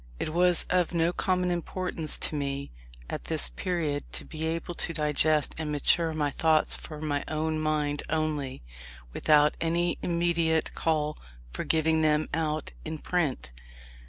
It was of no common importance to me, at this period, to be able to digest and mature my thoughts for my own mind only, without any immediate call for giving them out in print.